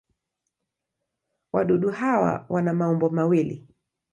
Wadudu hawa wana maumbo mawili.